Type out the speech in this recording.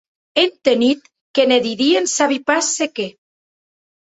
È entenut que ne didien sabi pas se qué.